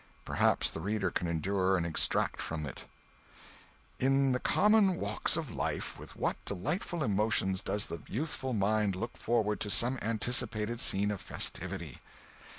Perhaps the reader can endure an extract from it: "In the common walks of life, with what delightful emotions does the youthful mind look forward to some anticipated scene of festivity!